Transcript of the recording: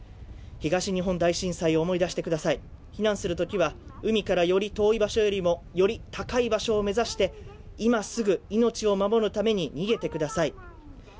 東日本大震災を思い出してください、避難するときは、海からより遠い場所よりもより高い場所を目指して今すぐ命を守るために逃げてください。